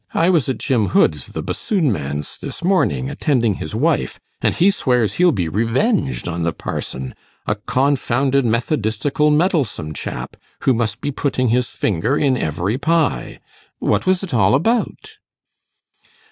I was at Jim Hood's, the bassoon man's, this morning, attending his wife, and he swears he'll be revenged on the parson a confounded, methodistical, meddlesome chap, who must be putting his finger in every pie. What was it all about?